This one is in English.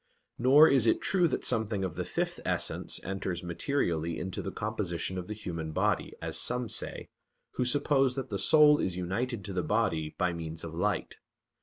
Nor is it true that something of the fifth essence enters materially into the composition of the human body, as some say, who suppose that the soul is united to the body by means of light.